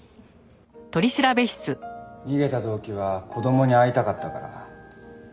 逃げた動機は子供に会いたかったから？